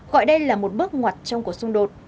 gọi đây là một bước ngoặt trong cuộc xung đột